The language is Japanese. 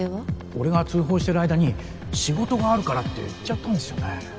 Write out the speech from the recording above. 俺が通報して仕事があるからって行っちゃったんですよね。